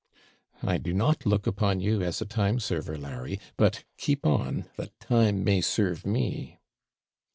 'I do not look upon you as a TIME SERVER, Larry; but keep on, that time may serve me.'